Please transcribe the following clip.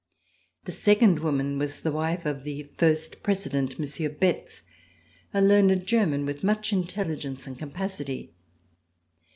The second woman was the wife of the First President, Monsieur Betz, a learned German with much intelligence and capacity.